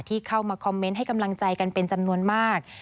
เข้ามาคอมเมนต์ให้กำลังใจกันเป็นจำนวนมาก